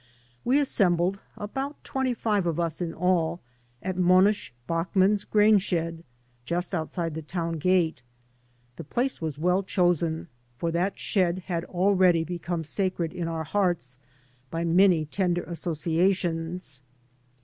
We assembled, about twenty five of us in all, in Monish Bachman's grain shed just outside the town gate. The place was well chosen, for that shed had already be come sacred in our hearts by many tender associations.